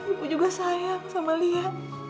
ibu juga sayang sama lia